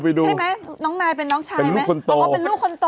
ใช่มั้ยน้องนายเป็นน้องชายไหมปล่อยว่าเป็นลูกค่อนโต